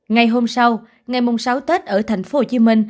ngày hôm sau ngày sáu tết ở tp hcm